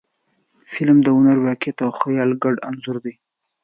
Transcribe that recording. د فلم هنر د واقعیت او خیال ګډ انځور دی.